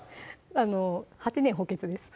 あの８年補欠です